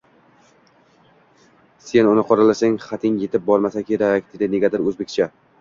— Sen uni qoralasang, xating yetib bormasa kerak… – dedi negadir o’zbekcha.